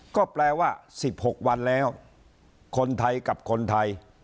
ก็แปลว่า๑๖วันแล้วคนไทยกับคนไทย